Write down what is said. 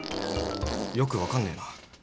よく分かんねえな。